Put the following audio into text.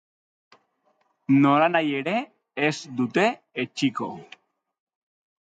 Nolanahi ere, ez dute etsiko.